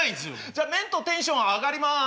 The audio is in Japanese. じゃ麺とテンション上がります！